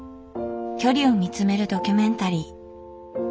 「距離」を見つめるドキュメンタリー。